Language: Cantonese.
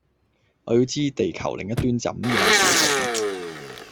我要知地球另一端怎應付赤貧